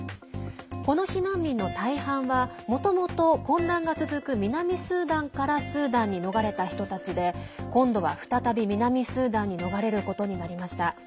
この避難民の大半はもともと混乱が続く南スーダンからスーダンに逃れた人たちで今度は再び南スーダンに逃れることになりました。